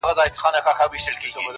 o د فصل خوار يم، د اصل خوار نه يم.